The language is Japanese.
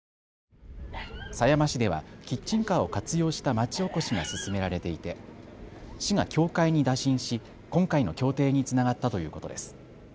狭山市ではキッチンカーを活用した町おこしが進められていて市が協会に打診し今回の協定につながったということです。